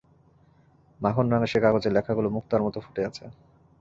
মাখন-রাঙা সে কাগজে লেখাগুলো মুক্তার মতো ফুটে আছে।